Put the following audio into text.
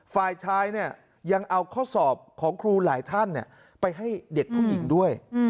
ฝ่ายชายยังเอาข้อสอบของครูหลายท่านไปให้เด็กผู้หญิงด้วย